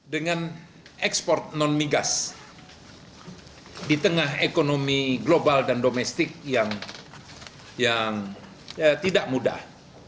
dengan ekspor non migas di tengah ekonomi global dan domestik yang tidak mudah